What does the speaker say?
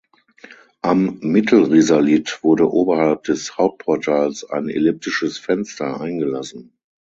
Am Mittelrisalit wurde oberhalb des Hauptportals ein elliptisches Fenster eingelassen.